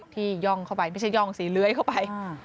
ย่องเข้าไปไม่ใช่ย่องสีเลื้อยเข้าไป